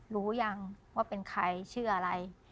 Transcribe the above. รู้ยังว่าเป็นใครชื่ออะไร